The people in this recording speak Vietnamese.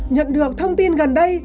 nhận được thông tin gần đây